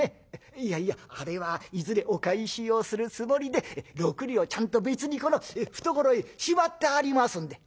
「いやいやあれはいずれお返しをするつもりで６両ちゃんと別にこの懐へしまってありますんで」。